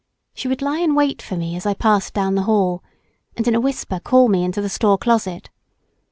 She would lie in wait for me as I passed down the hall, and in a whisper call me into the store closet.